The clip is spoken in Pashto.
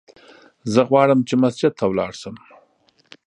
زه غواړم چې مسجد ته ولاړ سم!